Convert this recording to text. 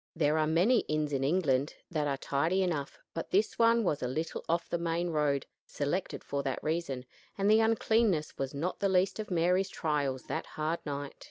There are many inns in England that are tidy enough, but this one was a little off the main road selected for that reason and the uncleanness was not the least of Mary's trials that hard night.